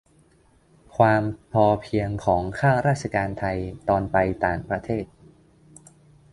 ความพอเพียงของข้าราชการไทยตอนไปต่างประเทศ